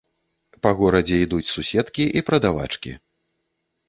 Па горадзе ідуць суседкі і прадавачкі.